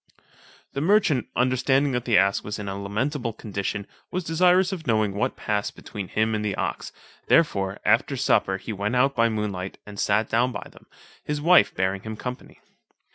The merchant understanding that the ass was in a lamentable condition, was desirous of knowing what passed between him and the ox, therefore after supper he went out by moonlight, and sat down by them, his wife bearing him company.